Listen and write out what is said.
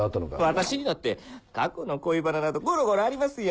私にだって過去の恋バナなどゴロゴロありますよ